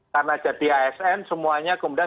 karena jadi asn semuanya kemudian